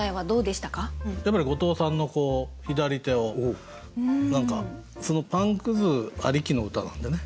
やっぱり後藤さんのこう左手を何かそのパンくずありきの歌なんでね。